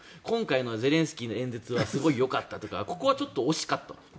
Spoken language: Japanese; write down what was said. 今回のゼレンスキーの演説はすごいよかったとかここはちょっと惜しかったとか。